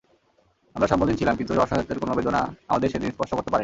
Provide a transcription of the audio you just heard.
আমরা সম্বলহীন ছিলাম, কিন্তু অসহায়ত্বের কোনো বেদনা আমাদের সেদিন স্পর্শ করতে পারেনি।